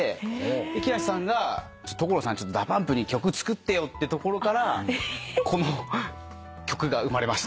で木梨さんが「所さんＤＡＰＵＭＰに曲作ってよ」ってところからこの曲が生まれました。